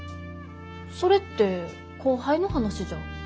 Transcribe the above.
それって後輩の話じゃ。